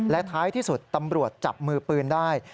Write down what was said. และท้ายที่สุดตำรวจจับมือปืนได้